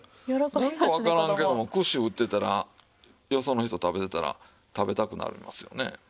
なんかわからんけども串打ってたらよその人食べてたら食べたくなりますよね。